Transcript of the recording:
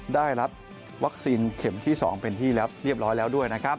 ได้ลับวัคซีนเข็มที่๒เป็นที่เรียบร้อยแล้ว